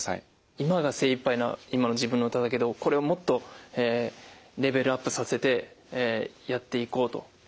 今が精いっぱいな今の自分の歌だけどこれをもっとレベルアップさせてやっていこうと思います。